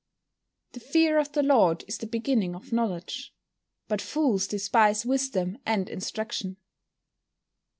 [Verse: "The fear of the Lord is the beginning of knowledge: but fools despise wisdom and instruction."